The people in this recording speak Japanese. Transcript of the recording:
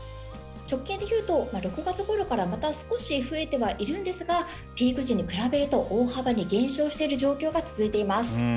直近でいうと６月ごろからまた少し増えてはいるんですがピーク時に比べると大幅に減少している状況が続いています。